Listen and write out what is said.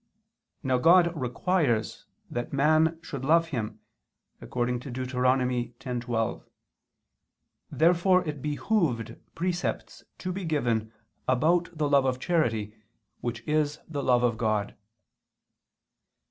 Now God requires that man should love Him, according to Deut. 10:12. Therefore it behooved precepts to be given about the love of charity, which is the love of God.